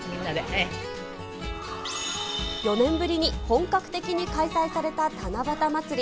４年ぶりに本格的に開催された七夕まつり。